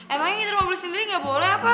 emang ini terlalu sendiri nggak boleh apa